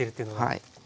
はい。